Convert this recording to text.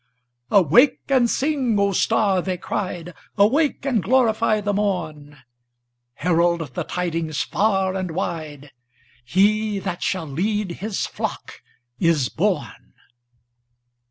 "Awake and sing, O star!" they cried. "Awake and glorify the morn! Herald the tidings far and wide He that shall lead His flock is born!"